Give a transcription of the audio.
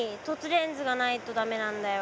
レンズがないと駄目なんだよ。